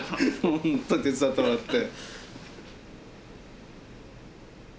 手伝ってもらって。